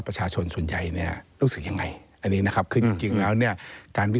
ประชาชนส่วนใหญ่รู้สึกยังไง